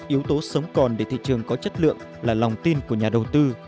yếu tố sống còn để thị trường có chất lượng là lòng tin của nhà đầu tư